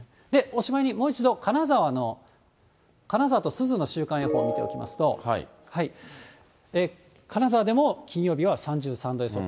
おしまいにもう一度、金沢と珠洲の週間予報を見ていきますと、金沢でも金曜日は３３度予想。